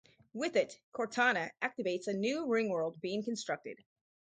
With it, Cortana activates a new ringworld being constructed.